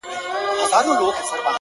نوره سپوږمۍ راپسي مه ږغـوه ـ